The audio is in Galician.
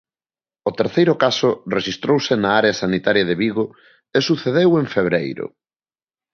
O terceiro caso rexistrouse na área sanitaria de Vigo e sucedeu en febreiro.